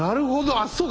あっそうか。